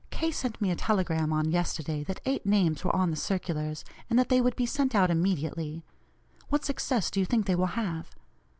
K. sent me a telegram on yesterday that eight names were on the circulars, and that they would be sent out immediately. What success do you think they will have?